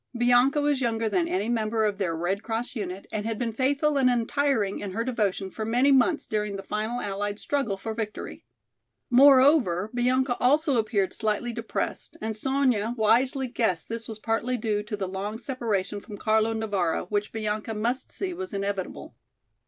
Bianca was younger than any member of their Red Cross unit and had been faithful and untiring in her devotion for many months during the final allied struggle for victory. Moreover, Bianca also appeared slightly depressed and Sonya wisely guessed this was partly due to the long separation from Carlo Navara, which Bianca must see was inevitable.